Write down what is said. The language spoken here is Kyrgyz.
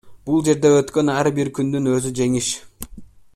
Бул жерде өткөн ар бир күндүн өзү жеңиш.